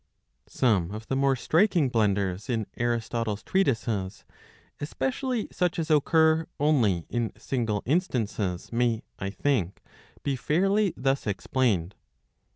Some of the more striking blunders in Aristotle's treatises, especially such as occur only in single instances, may, I think, be fairly thus explained.